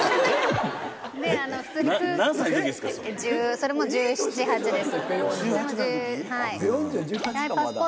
それも１７１８です。